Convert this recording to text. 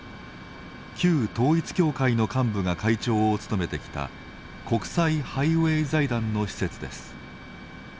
旧統一教会の幹部が会長を務めてきた国際ハイウェイ財団の施設です。